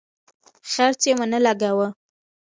څرک یې ونه لګاوه.